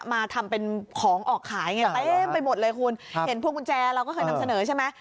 มาทำเป็นของออกขายไงเต็มไปหมดเลยคุณเห็นพวงกุญแจเราก็เคยนำเสนอใช่ไหม